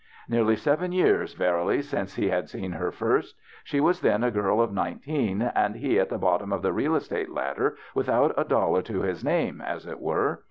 Nearly seven years, verily, since he had seen her first ! She was then a girl of nineteen, and he at the bottom of the real estate ladder without a dollar to his name, as it were.